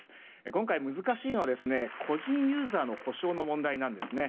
今回、難しいのは個人ユーザーの補償の問題なんですね。